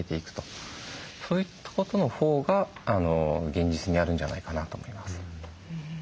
そういうことのほうが現実味あるんじゃないかなと思います。